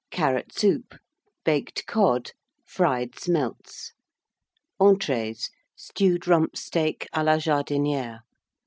Carrot Soup. Baked Cod. Fried Smelts. ENTREES. Stewed Rump steak à la Jardinière.